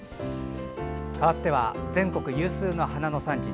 かわっては全国有数の花の産地